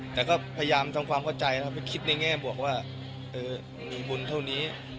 แต่ก็พยายามทำความเข้าใจนะครับไปคิดในแง่บวกว่ามีบุญเท่านี้